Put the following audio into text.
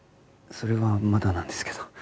それはまだなんですけど。